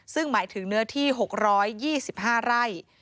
ซึ่งหมายถึงเนื้อที่๖๒๕ไร่